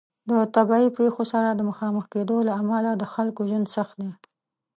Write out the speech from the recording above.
د طبیعي پیښو سره د مخامخ کیدو له امله د خلکو ژوند سخت دی.